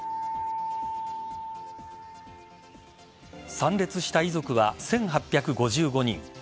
参列した遺族は１８５５人。